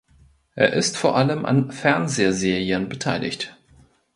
Er ist vor allem an Fernsehserien beteiligt.